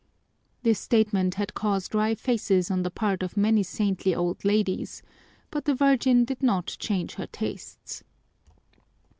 This statement had caused wry faces on the part of many saintly old ladies, but the Virgin did not change her tastes.